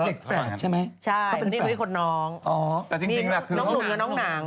เด็กแสดใช่ไหมเค้าเป็นแสดอ๋อแต่จริงน่ะคือเขาน้องหนุนกับน้องหนัง